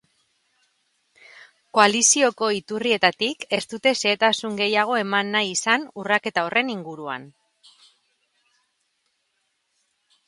Koalizioko iturrietatik ez dute xehetasun gehiago eman nahi izan urraketa horren inguruan.